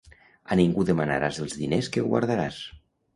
A ningú demanaràs els diners que guardaràs.